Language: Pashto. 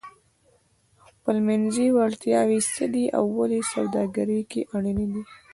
خپلمنځي وړتیاوې څه دي او ولې سوداګري کې اړینې دي؟